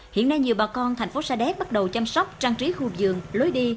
hiện nay nhiều bà con thành phố sa đéc bắt đầu chăm sóc trang trí khu giường lối đi